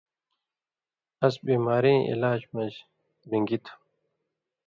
اَس بیماریں علاج مژ رِن٘گیۡ تُھو۔